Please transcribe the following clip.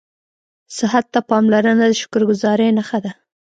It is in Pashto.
صحت ته پاملرنه د شکرګذارۍ نښه ده